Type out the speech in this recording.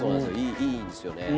いいんですよね。